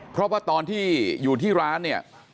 เพราะว่าตอนที่อยู่ที่ร้านเนี่ย